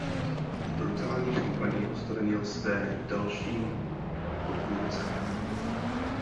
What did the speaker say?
V brutální kampani odstranil své další odpůrce.